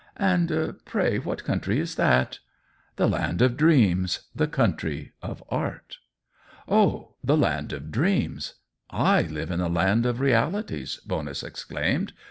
"And pray what country is that ?" "The land of dreams — the country of art." " Oh, the land of dreams ! I live in the land of realities 1" Bonus exclaimed.